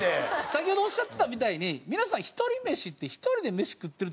先ほどおっしゃってたみたいに皆さんひとり飯って１人で飯食ってると思うじゃないですか。